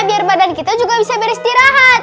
biar badan kita juga bisa beristirahat